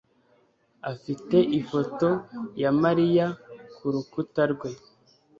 afite ifoto ya Mariya kurukuta rwe.